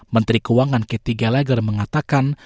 menteri keuangan ketiga lager mengatakan